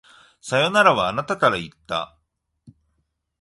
さよならは、あなたから言った。